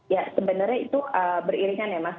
ya sebenarnya itu beriringan ya mas